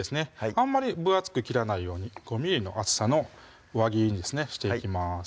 あんまり分厚く切らないように５ｍｍの厚さの輪切りにですねしていきます